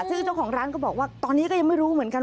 ซึ่งเจ้าของร้านก็บอกว่าตอนนี้ก็ยังไม่รู้เหมือนกัน